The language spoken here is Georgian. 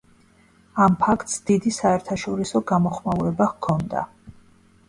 ამ ფაქტს დიდი საერთაშორისო გამოხმაურება ჰქონდა.